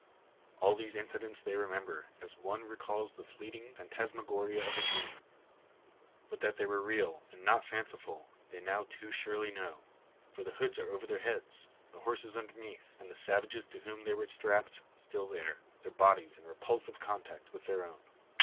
All these incidents they remember, as one recalls the fleeting phantasmagoria of a dream. But that they were real, and not fanciful, they now too surely know; for the hoods are over their heads, the horses underneath; and the savages to whom they were strapped still there, their bodies in repulsive contact with their own!